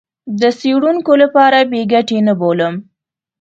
د څېړونکو لپاره بې ګټې نه بولم.